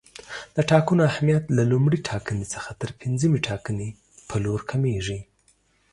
د ټاکنو اهمیت له لومړۍ ټاکنې څخه تر پنځمې ټاکنې پر لور کمیږي.